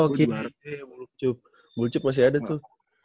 oh gini ya bulcup bulcup masih ada tuh